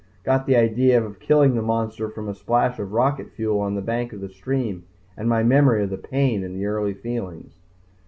Got the idea of killing the monster from a splash of rocket fuel on the bank of the stream and my memory of the pain in the early feelings.